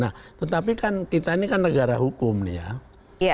nah tetapi kan kita ini kan negara hukum nih ya